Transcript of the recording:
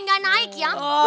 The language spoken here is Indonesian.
ini gak naik ya